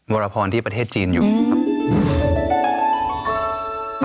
วรพรที่ประเทศจีนอยู่ครับ